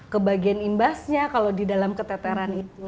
ke bagian imbasnya kalau di dalam keteteran itu